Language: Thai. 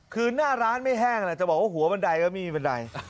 คือหน้าร้านไม่แห้งแหละจะบอกว่าหัวบันไดก็ไม่มีบันได